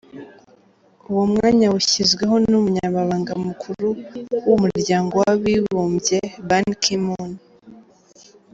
Uwo mwanya awushyizweho n’Umunyamabanga mukuru w’Umuryango w’Abigumbye Ban Ki-moon.